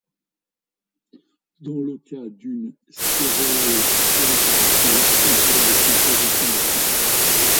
Dans le cas d'une stéréosélectivité, on parle de synthèse asymétrique.